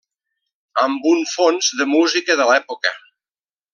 Amb un fons de música de l'època.